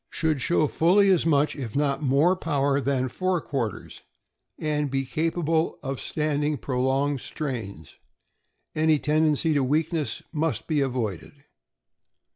— Should show fully as much, if not more, power than fore quarters, and be capable of standing prolonged strains. Any tendency to weakness must be avoided.